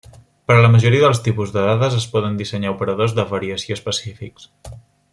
Per a la majoria dels tipus de dades, es poden dissenyar operadors de variació específics.